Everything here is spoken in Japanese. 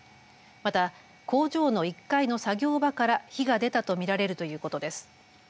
また工場の１階の作業場から火が出たと見られるということです。